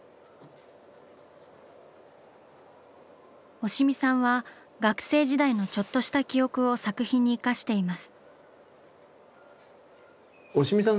押見さんは学生時代のちょっとした記憶を作品に生かしています。